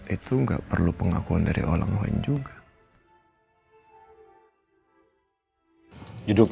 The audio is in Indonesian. itu gak perlu pengakuan dari orang lain